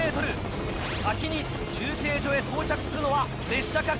先に中継所へ到着するのは列車か？